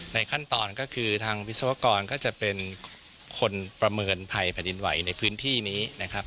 ขั้นตอนก็คือทางวิศวกรก็จะเป็นคนประเมินภัยแผ่นดินไหวในพื้นที่นี้นะครับ